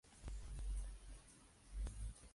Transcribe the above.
Su determinante es fácil de calcular.